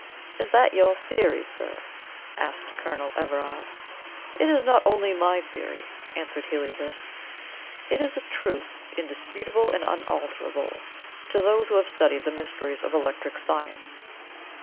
"Is that your theory, sir?" asked Colonel Everard. "It is not only my theory," answered Heliobas, "it is a truth, indisputable and unalterable, to those who have studied the mysteries of electric science."